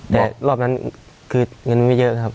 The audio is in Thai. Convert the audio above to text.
แต่รอบนั้นคือเงินไม่เยอะครับ